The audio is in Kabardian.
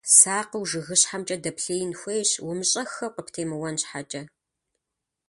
Сакъыу жыгыщхьэмкӀэ дэплъеин хуейщ, умыщӀэххэу къыптемыуэн щхьэкӀэ.